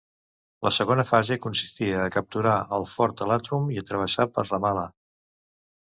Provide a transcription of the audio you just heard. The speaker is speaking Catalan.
La segona fase consistia a capturar el fort a Latrun i travessar per Ramal·lah.